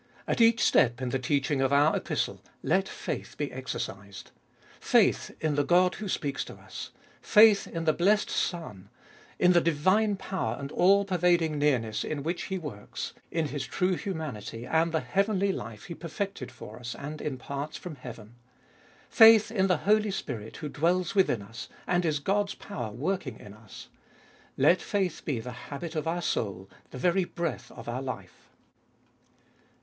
At each step in the teaching of our Epistle, let faith be exercised. Faith in the God who speaks to us ; faith in the blessed Son, in the divine power and all pervading nearness in which He works, in His true humanity, and the heavenly life He perfected for us and imparts from heaven ; faith in the Holy Spirit who dwells within us, and is God's power working in us ;—let faith be the habit of our soul, the every breath of our life.